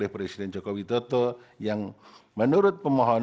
presiden jokowi dodo yang menurut pemohon